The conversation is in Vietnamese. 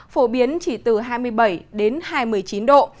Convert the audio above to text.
phổ biến chỉ từ hai mươi bảy đến hai mươi chín độ